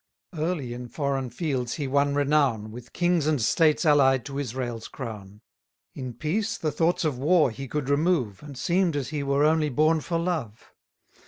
Early in foreign fields he won renown, With kings and states allied to Israel's crown: In peace the thoughts of war he could remove, And seem'd as he were only born for love.